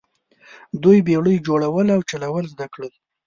دوی بیړۍ جوړول او چلول زده کړل.